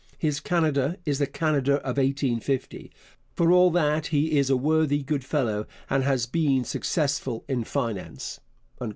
His Canada is the Canada of 1850. For all that he is a worthy good fellow and has been successful in finance.